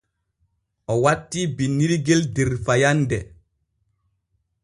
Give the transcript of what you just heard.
O wattii binnirgel der fayande.